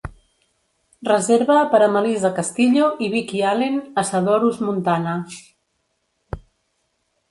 reserva per a Melisa Castillo i Vicky Allen a Sadorus Montana